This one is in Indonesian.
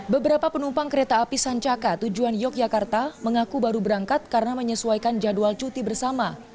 beberapa penumpang kereta api sancaka tujuan yogyakarta mengaku baru berangkat karena menyesuaikan jadwal cuti bersama